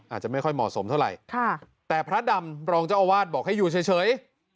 อาจจะไม่ค่อยเหมาะสมเท่าไหร่แต่พระดำรองเจ้าอาวาสบอกให้อยู่เฉย